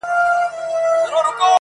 له آمو تر اباسینه وطن بولي؛